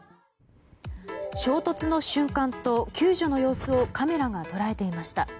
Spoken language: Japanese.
衝突の瞬間と救助の様子をカメラが捉えていました。